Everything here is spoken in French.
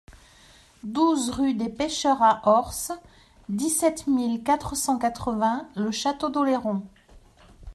douze rue des Pecheurs A Ors, dix-sept mille quatre cent quatre-vingts Le Château-d'Oléron